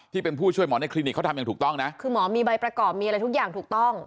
ผู้ช่วยหมอในคลินิกเขาทำอย่างถูกต้องนะคือหมอมีใบประกอบมีอะไรทุกอย่างถูกต้อง